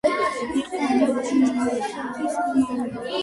იყო ანა კომნენოსის ქმარი.